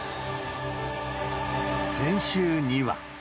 先週には。